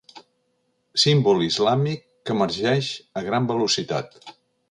Símbol islàmic que emergeix a gran velocitat.